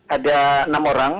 ada enam orang